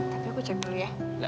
tapi aku cek dulu ya